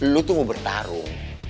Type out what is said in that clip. lo tuh mau bertarung